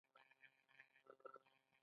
پادري وویل زما مشوره دا ده.